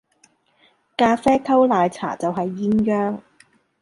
咖啡溝奶茶就係鴛鴦